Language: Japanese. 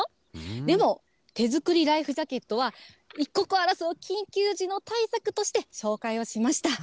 でも手作りライフジャケットは、一刻を争う緊急時の対策として紹介をしました。